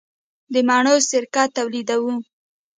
د مڼو سرکه تولیدوو؟